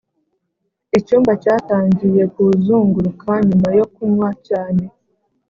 icyumba cyatangiye kuzunguruka nyuma yo kunywa cyane.